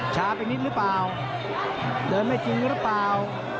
ไปนิดหรือเปล่าเดินไม่จริงหรือเปล่า